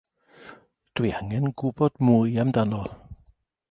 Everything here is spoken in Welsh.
Dwi angen gwybod mwy amdano.